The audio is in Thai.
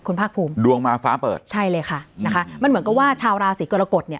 คุณภาคภูมิดวงมาฟ้าเปิดใช่เลยค่ะนะคะมันเหมือนกับว่าชาวราศีกรกฎเนี่ย